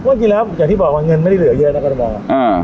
จริงแล้วอย่างที่บอกว่าเงินไม่ได้เหลือเยอะนะกรทม